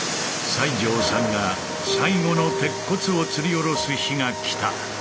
西城さんが最後の鉄骨をつり下ろす日が来た。